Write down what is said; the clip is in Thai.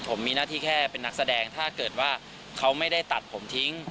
ผมมีหน้าที่แค่เป็นนักแสดงถ้าเกิดว่าเขาไม่ได้ตัดผมทิ้ง